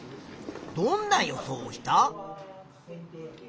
どんな予想をした？